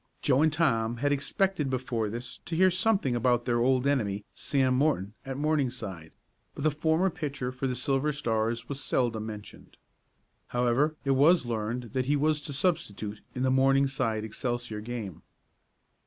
Joe and Tom had expected before this to hear something about their old enemy, Sam Morton, at Morningside, but the former pitcher for the Silver Stars was seldom mentioned. However, it was learned that he was to substitute in the Morningside Excelsior game.